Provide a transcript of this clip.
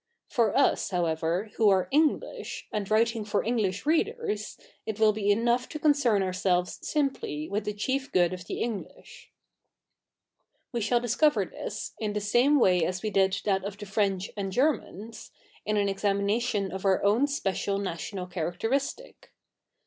For us, however, who are English, a/id writing for English readers, it will be enough to coticern ourselves simply with the chief good of the English. ' We shall discover this, in the sa??ie ivay as we did that of the F?'e?ich and Ge?'??ians, in an examination of our own special national characteristic.